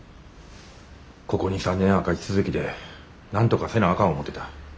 ここ２３年赤字続きでなんとかせなあかん思てた。